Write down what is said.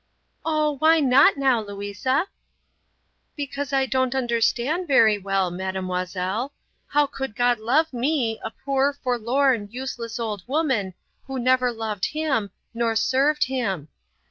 "Oh, why not now, Louisa?" "Because I don't understand very well, mademoiselle. How could God love me, a poor, forlorn, useless old woman, who never loved Him, nor served Him.